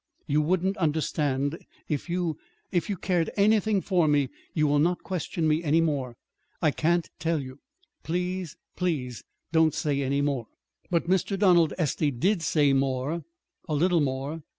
You wouldn't understand. If you you care anything for me, you will not question me any more. I can't tell you. Please, please don't say any more." But Mr. Donald Estey did say more a little more.